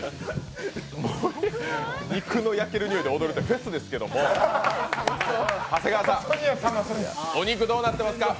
肉の焼けるにおいで踊るってフェスですけど、長谷川さん、お肉どうなってますか。